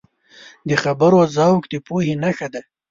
د خبرو ذوق د پوهې نښه ده